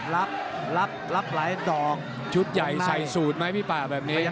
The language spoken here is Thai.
รับรับหลายดอกชุดใหญ่ใส่สูตรไหมพี่ป่าแบบนี้